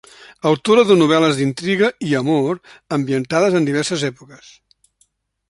Autora de novel·les d'intriga i amor ambientades en diverses èpoques.